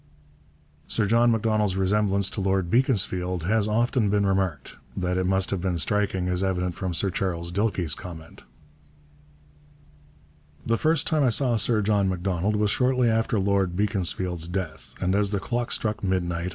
Sir John Macdonald's resemblance to Lord Beaconsfield has often been remarked. That it must have been striking is evident from Sir Charles Dilke's comment: The first time I saw Sir John Macdonald was shortly after Lord Beaconsfield's death and as the clock struck midnight.